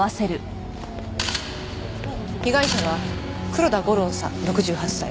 被害者は黒田吾郎さん６８歳。